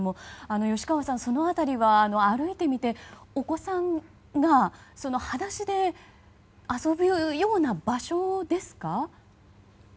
吉川さん、その辺りは歩いてみて、お子さんが裸足で遊べるような場所ですか？